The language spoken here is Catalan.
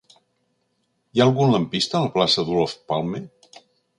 Hi ha algun lampista a la plaça d'Olof Palme?